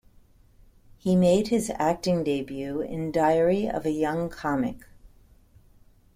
He made his acting debut in "Diary of a Young Comic".